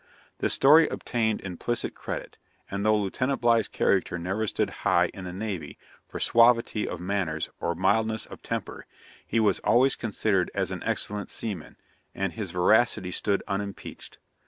The story obtained implicit credit; and though Lieutenant Bligh's character never stood high in the navy for suavity of manners or mildness of temper, he was always considered as an excellent seaman, and his veracity stood unimpeached.